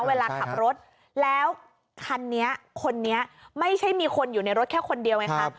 เวลาขับรถแล้วคันนี้คนนี้ไม่ใช่มีคนอยู่ในรถแค่คนเดียวไงคะ